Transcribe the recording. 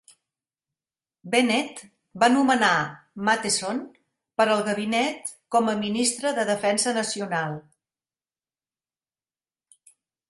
Bennett va nomenar Matheson per al gabinet com a ministre de defensa nacional.